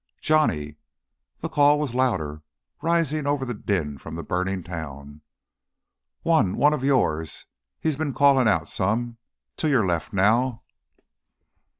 "Johnny!" The call was louder, rising over the din from the burning town. "One, one of yours he's been callin' out some ... to your left now."